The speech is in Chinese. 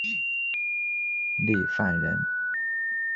郦范人。